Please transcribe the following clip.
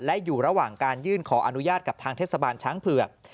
และอยู่ระหว่างการยื่นขออนุญาตกับทางเทศบาลช้างเผือก